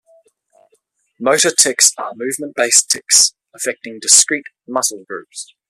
Motor tics are movement-based tics affecting discrete muscle groups.